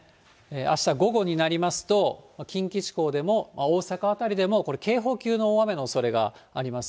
あした、午後になりますと、近畿地方でも大阪辺りでもこれ、警報級の大雨のおそれがあります。